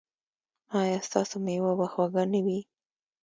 ایا ستاسو میوه به خوږه نه وي؟